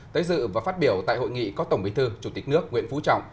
tới dự và phát biểu tại hội nghị có tổng bí thư chủ tịch nước nguyễn phú trọng